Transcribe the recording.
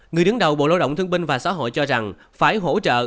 người đứng đầu bộ lao động thương binh và xã hội cho rằng phải hỗ trợ